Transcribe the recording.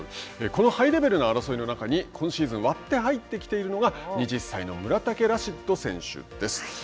このハイレベルな争いの中に今シーズン割って入ってきているのが２０歳の村竹ラシッド選手です。